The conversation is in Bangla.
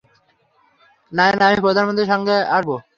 নায়না, আমি প্রধানমন্ত্রীর সাথে আসবো।